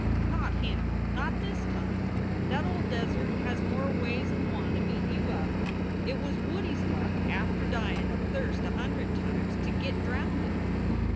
"Not him. Not this time. That ole desert has more ways n one of eatin* you up. It was Woodie s luck, after dyin of thirst a hund ed times, to git drownded.